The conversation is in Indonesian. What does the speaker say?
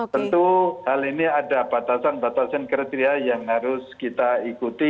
tentu hal ini ada batasan batasan kriteria yang harus kita ikuti